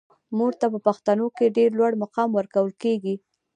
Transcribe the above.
مور ته په پښتنو کې ډیر لوړ مقام ورکول کیږي.